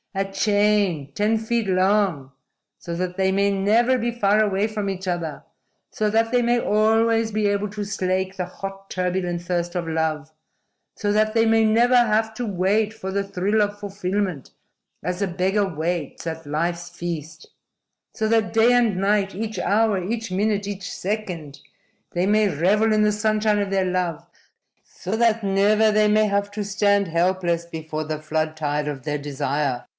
A chain, ten feet long, so that they may never be far away from each other, so that they may always be able to slake the hot, turbulent thirst of love, so that they may never have to wait for the thrill of fulfillment as a beggar waits at life's feast, so that day and night, each hour, each minute, each second they may revel in the sunshine of their love, so that never they may have to stand helpless before the flood tide of their desire.